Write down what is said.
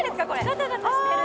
ガタガタしてる。